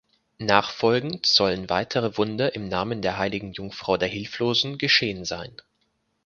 Nachfolgend sollen weitere Wunder im Namen der Heiligen Jungfrau der Hilflosen geschehen sein.